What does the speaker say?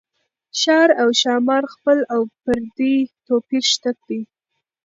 ښار او ښامار خپل او پردي توپير شته دي